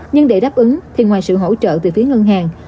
nhưng để đáp ứng thì ngoài sự hỗ trợ từ phía ngân hàng